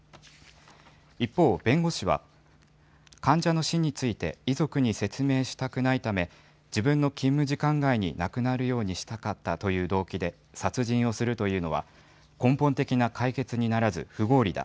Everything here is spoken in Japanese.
一方、弁護士は、患者の死について、遺族に説明したくないため、自分の勤務時間外に亡くなるようにしたかったという動機で殺人をするというのは、根本的な解決にならず不合理だ。